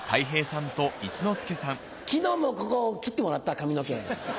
昨日もここ切ってもらった髪の毛。